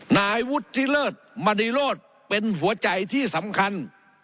นายอุทธิเลิศบรรณีโลศเป็นหัวใจที่สำคัญ